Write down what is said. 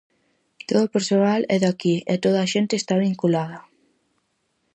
Todo o persoal é de aquí, e toda a xente está vinculada.